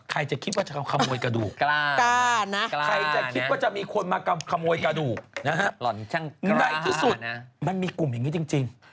ใครจะคิดว่าจะขโมยกระดูกกล้ากล้านะใครจะคิดว่าจะมีคนมาขโมยกระดูกนะฮะในที่สุดมันมีกลุ่มอย่างนี้จริง